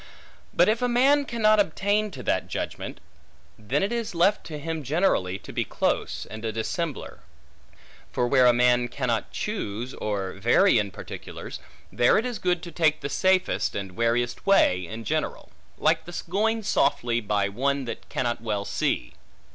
But if a man cannot obtain to that judgment, then it is left to him generally, to be close, and a dissembler. For where a man cannot choose, or vary in particulars, there it is good to take the safest, and wariest way, in general; like the going softly, by one that cannot well see.